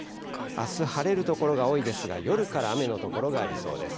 あす、晴れる所が多いですが、夜から雨の所がありそうです。